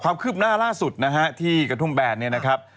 ความคืบหน้าล่าสุดนะฮะที่กระทุ่มแบนเนี่ยนะครับ